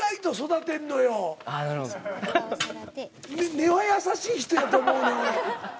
根は優しい人やと思うねん俺。